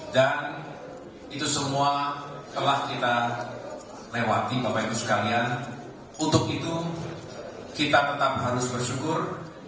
dan itu semua telah kita lewati bapak ibu sekalian untuk itu kita tetap harus bersyukur